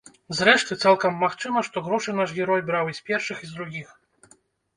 Зрэшты, цалкам магчыма, што грошы наш герой браў і з першых, і з другіх.